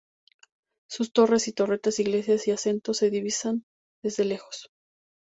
Sus torres y torretas, iglesias y aposentos se divisan desde lejos.